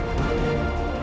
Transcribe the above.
aku akan buktikan